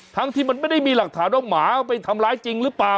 ทั้งที่มันไม่ได้มีหลักฐานว่าหมาไปทำร้ายจริงหรือเปล่า